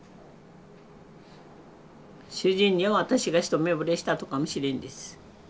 主人には私が一目ぼれしたとかもしれんです。